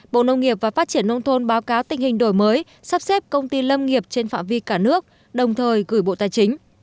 bộ nông nghiệp và phát triển nông thôn báo cáo tình hình đổi mới sắp xếp công ty lâm nghiệp trên phạm vi cả nước đồng thời gửi bộ tài chính